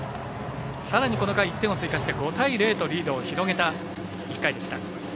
さらにこの回、１点を追加して５対０とリードを広げた、１回でした。